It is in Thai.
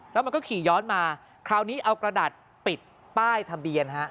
แล้วมันก็ขี่ย้อนมาคราวนี้เอากระดาษปิดป้ายทะเบียนฮะ